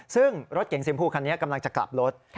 ซึ่งรถเก๋งสีมพูคันนี้กำลังจะกลับรถ